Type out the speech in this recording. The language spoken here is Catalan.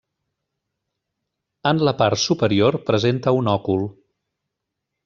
En la part superior presenta un òcul.